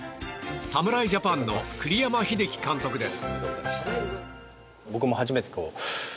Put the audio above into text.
侍ジャパンの栗山英樹監督です。